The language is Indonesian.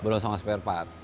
belum sama spare part